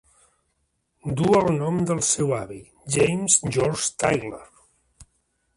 Duu el nom del seu avi, James George Tyler.